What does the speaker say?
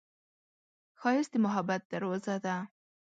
ښایست د محبت دروازه ده